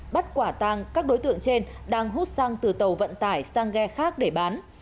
bắt quả tang các đối tượng trên đang hút xăng từ tàu vận tải sang ghe khác để bán